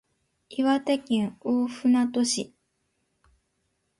岩手県大船渡市